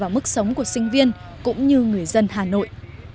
và mức sống của sinh viên cũng như người dân hà nội